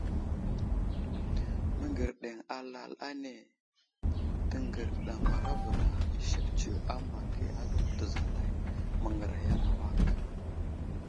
Məŋgerdeŋ alal ane təŋgərayabəra i sek tsiyo a ma age atu təzalay məŋgəraya ma awak.